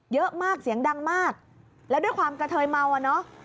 เยอะมากเสียงดังมากแล้วด้วยความกระเทยเมาอ่ะเนอะ